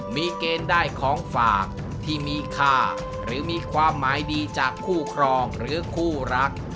มีเกณฑ์ได้ของฝากที่มีค่าหรือมีความหมายดีจากคู่ครองหรือคู่รัก